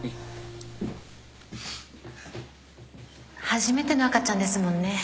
初めての赤ちゃんですもんね